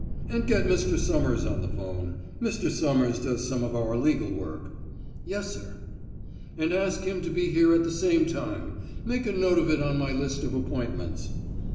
"And get Mr. Somers on the phone Mr. Somers does some of our legal work " "Yes, sir." "And ask him to be here at the same time. Make a note of it on my list of appointments."